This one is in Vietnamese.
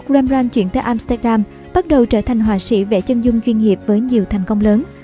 rambrand chuyển tới amsterdam bắt đầu trở thành họa sĩ vẽ chân dung chuyên nghiệp với nhiều thành công lớn